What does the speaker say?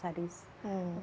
paling tidak bisa dipilih